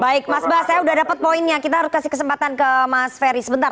baik mas bas saya sudah dapat poinnya kita harus kasih kesempatan ke mas ferry sebentar